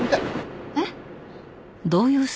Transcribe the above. えっ！？